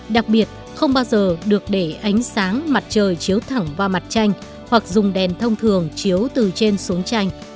đặc biệt không bao giờ được để ánh sáng mặt trời chiếu thẳng vào mặt tranh hoặc dùng đèn thông thường chiếu từ trên xuống tranh